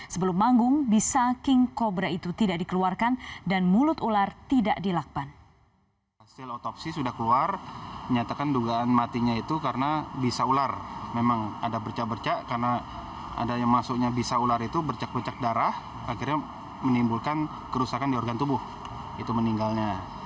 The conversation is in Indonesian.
sebelum manggung bisa king cobra itu tidak dikeluarkan dan mulut ular tidak dilakban